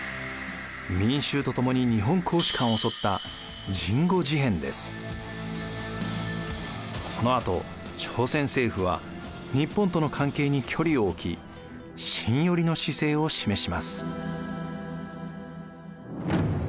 民衆とともに日本公使館を襲ったこのあと朝鮮政府は日本との関係に距離を置き清寄りの姿勢を示します。